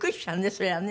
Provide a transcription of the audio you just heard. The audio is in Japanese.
それはね。